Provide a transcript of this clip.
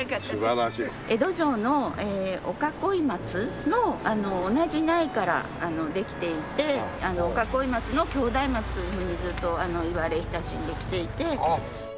江戸城の御囲い松の同じ苗からできていて御囲い松の兄弟松というふうにずっと言われ親しんできていて。